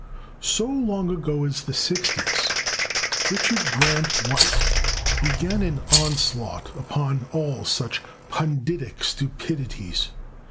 So long ago as the 60's Richard Grant White began an onslaught upon all such punditic stupidities.